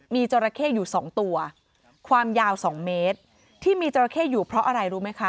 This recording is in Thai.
มีจราเข้อยู่สองตัวความยาวสองเมตรที่มีจราเข้อยู่เพราะอะไรรู้ไหมคะ